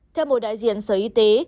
theo một đại diện sở y tế